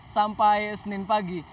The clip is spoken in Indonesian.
sampai senin pagi